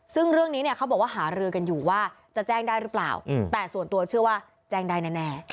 ซึ่งเรื่องนี้เนี่ยเขาบอกว่าหารือกันอยู่ว่าจะแจ้งได้หรือเปล่าแต่ส่วนตัวเชื่อว่าแจ้งได้แน่